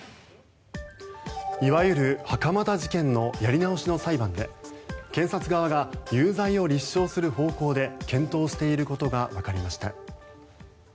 いわゆる袴田事件のやり直しの裁判で検察側が有罪を立証する方向で検討していることがわかりました。